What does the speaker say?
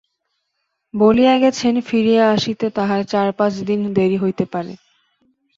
বলিয়া গেছেন ফিরিয়া আসিতে তাঁহার চার-পাঁচ দিন দেরি হইতে পারে।